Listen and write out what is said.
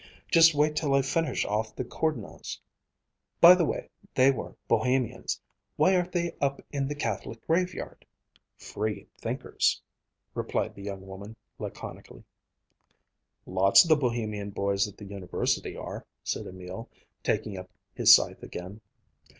Just wait till I finish off the Kourdnas'. By the way, they were Bohemians. Why aren't they up in the Catholic graveyard?" "Free thinkers," replied the young woman laconically. "Lots of the Bohemian boys at the University are," said Emil, taking up his scythe again.